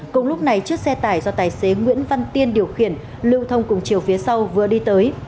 cùng lúc này chiếc xe tải do tài xế nguyễn văn tiên điều khiển lưu thông cùng chiều phía sau vừa đi tới